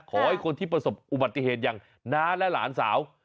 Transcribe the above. ขอให้คนที่ประสบอุบัติเหตุอย่างน้าและหลานสาว